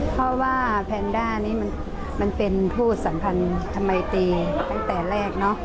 เพราะว่าแพนด้านนี้มันเป็นพูดสัมพันธ์ธรรมดีตั้งแต่แรก